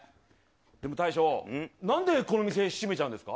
でも大将、なんでこの店閉めちゃうんですか。